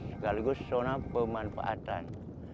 sekaligus zona pemanfaatan